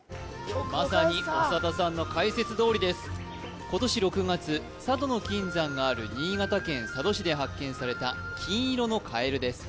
まさに長田さんの解説どおりです今年６月佐渡の金山がある新潟県佐渡市で発見された金色のカエルです